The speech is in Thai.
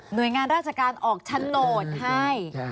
หน่วยงานราชการออกฉโนตให้